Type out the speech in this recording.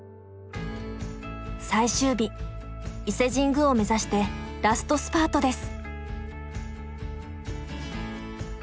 最終日伊勢神宮を目指してラストスパートです。